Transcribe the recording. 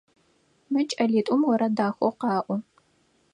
Мы кӏэлитӏум орэд дахэу къаӏо.